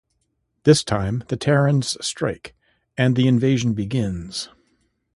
This time, the Terrans strike and the invasion begins.